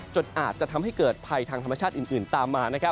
จนอาจจะทำให้เกิดภัยทางธรรมชาติอื่นตามมา